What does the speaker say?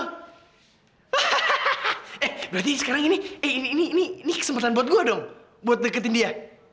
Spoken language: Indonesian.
eh berarti sekarang ini kesempatan buat gue dong buat deketin dia